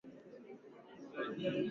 Wamekula chajio